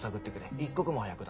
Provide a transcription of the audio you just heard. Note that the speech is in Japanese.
一刻も早くだ。